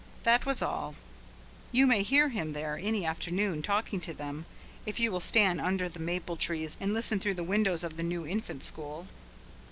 That was all. You may hear him there any afternoon, talking to them, if you will stand under the maple trees and listen through the open windows of the new Infant School.